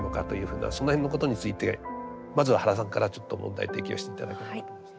その辺のことについてまずは原さんからちょっと問題提起をして頂ければと思います。